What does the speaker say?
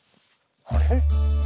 あれ？